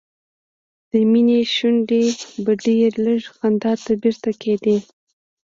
د مينې شونډې به ډېر لږ خندا ته بیرته کېدې